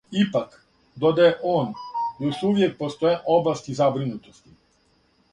Ипак, додаје он, још увијек постоје области забринутости.